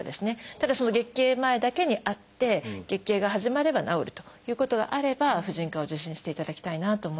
ただ月経前だけにあって月経が始まれば治るということがあれば婦人科を受診していただきたいなと思います。